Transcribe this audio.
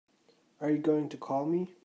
Are you going to call me?